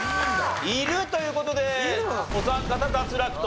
いるという事でお三方脱落と。